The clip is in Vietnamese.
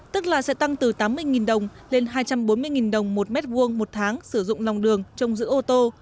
tức là sẽ tăng từ tám mươi đồng lên hai trăm bốn mươi đồng một mét vuông một tháng sử dụng lòng đường trông giữ ô tô